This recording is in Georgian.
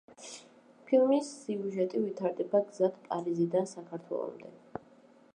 ფილმის სიუჟეტი ვითარდება გზად პარიზიდან საქართველომდე.